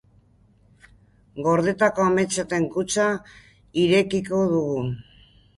Gordetako ametsen kutxa irekiko dugu.